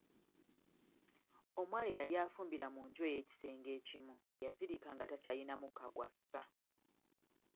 Omuwala eyali afumbira mu nju ey'ekisenge ekimu yazirika nga takyalina mukka gw'assa.